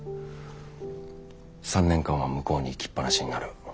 ３年間は向こうに行きっぱなしになる。